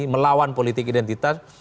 melawan politik identitas